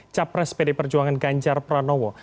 capres pd perjuangan ganjar pranowo